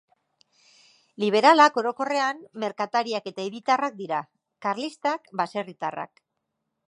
Liberalak, orokorrean, merkatariak eta hiritarrak dira; karlistak, baserritarrak.